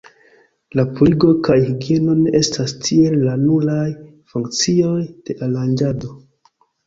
La purigo kaj higieno ne estas tiele la nuraj funkcioj de Aranĝado.